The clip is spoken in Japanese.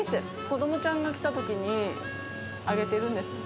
子どもちゃんが来たときに、あげてるんです。